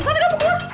tante kamu keluar